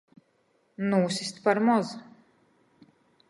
Nūsist par moz!